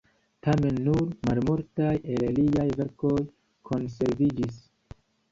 Tamen nur malmultaj el liaj verkoj konserviĝis.